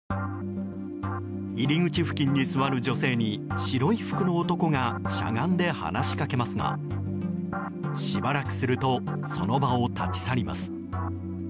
入り口付近に座る女性に白い服の男がしゃがんで話しかけますがしばらくするとその場を立ち去ります。